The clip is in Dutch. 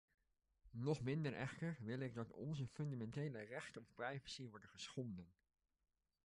Nog minder echter wil ik dat onze fundamentele rechten op privacy worden geschonden.